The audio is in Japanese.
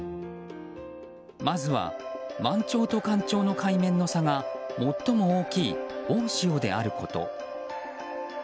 まずは満潮と干潮の海面の差が最も大きい大潮であること。